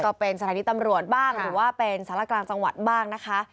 ก็เป็นสถานีตำรวจบ้างหรือว่าเป็นสารกลางจังหวัดบ้างนะคะ